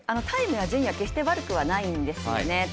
タイムや、順位は決して悪くはないんですよね。